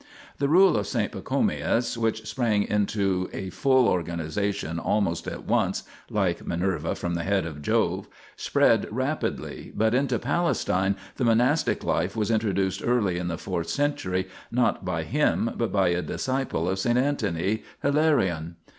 The rule of S. Pachomius, which sprang into a full organization almost at once (like Minerva from the head of Jove), spread rapidly, but into Palestine the monastic life was introduced early in the fourth cen tury, not by him, but by a disciple of S. Antony, Hilarion.